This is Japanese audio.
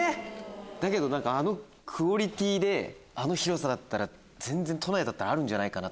だけどあのクオリティーであの広さだったら都内だったらあるんじゃないかな。